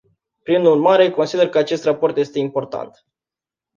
Prin urmare, consider că acest raport este important.